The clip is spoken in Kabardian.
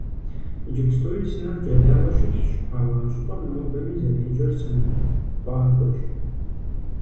Иджыпстуи сыныр джэлауэ щылъщ, ауэ а щӀыпӀэм нобэми зэреджэр «Сын къуагуэщ».